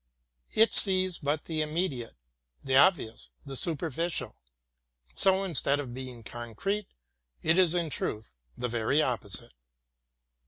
It sees but the immediate, the ob vious, the superficial. So instead of being concrete, it is, in truth, the very opposite.